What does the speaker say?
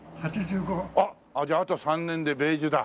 あっじゃああと３年で米寿だ。